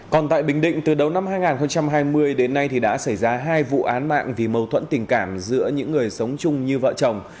còn tại bình định từ đầu năm hai nghìn hai mươi đến nay thì đã xảy ra hai vụ án mạng vì mâu thuẫn tình cảm giữa những người sống chung như vợ chồng